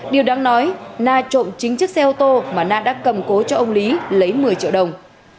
điều đáng nói na trộm chính chiếc xe ô tô mà na đã cầm cố cho ông lý lấy một mươi triệu đồng